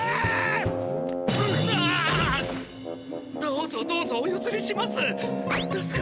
どうぞどうぞおゆずりします。